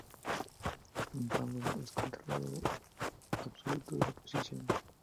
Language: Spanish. Un paddle es un controlador absoluto de la posición.